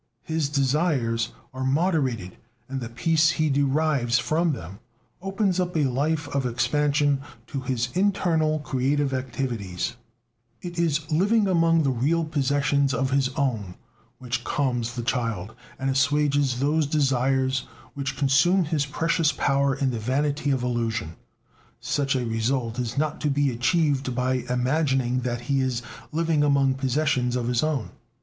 His desires are moderated, and the peace he derives from them opens up a life of expansion to his internal creative activities. It is "living among real possessions of his own" which calms the child, and assuages those desires which consume his precious powers in the vanity of illusion. Such a result is not to be achieved by imagining that he is living among possessions of his own.